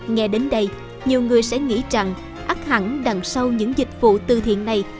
nghe đến đây nhiều người sẽ nghĩ rằng ác hẳn đằng sau những dịch vụ tư thiện này